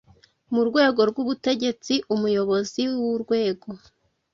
Mu rwego rw ubutegetsi umuyobozi w urwego